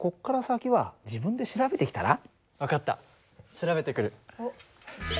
調べてくる。